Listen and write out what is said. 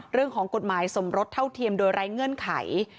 เรื่องของกฎหมายสมรสเท่าเทียมโดยไร้เงื่อนไข